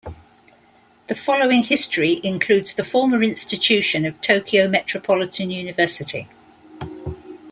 The following history includes the former institution of Tokyo Metropolitan University.